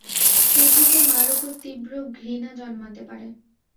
সেই থেকে মার ওপর তীব্র ঘৃণা জন্মাতে পারে।